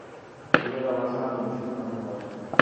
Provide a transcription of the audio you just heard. مېوې د افغانستان د بشري فرهنګ برخه ده.